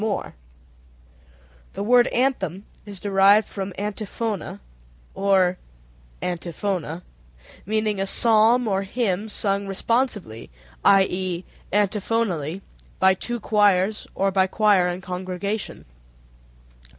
] The word anthem is derived from antifona (or antiphona), meaning a psalm or hymn sung responsively, i.e., antiphonally, by two choirs, or by choir and congregation.